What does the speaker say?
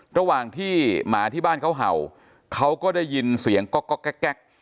ระหว่างที่หมาที่บ้านเขาเห่าเขาก็ได้ยินเสียงก๊อกแก๊ก